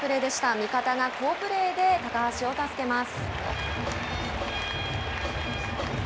味方が好プレーで高橋を助けます。